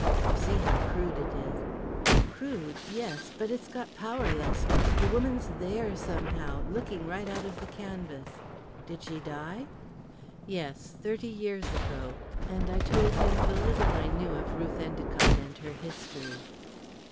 You see how crude it is." "Crude yes; but it's got power, Lester. The woman's there, somehow, looking right out of the canvas. Did she die?" "Yes; thirty years ago," and I told him the little I knew of Ruth Endicott and her history.